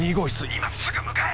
今すぐ向かえ！